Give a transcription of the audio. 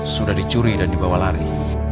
sudah dicuri dan dibawa lari